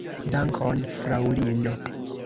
Dankon, fraŭlino.